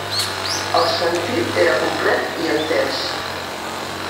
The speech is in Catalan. El sentit era complet i entès.